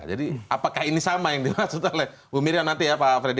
jadi apakah ini sama yang dimaksud oleh bu miriam nanti ya pak fredy